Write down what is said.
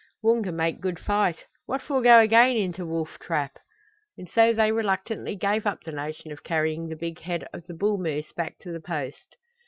"Woonga make good fight. What for go again into wolf trap?" And so they reluctantly gave up the notion of carrying the big head of the bull moose back to the Post.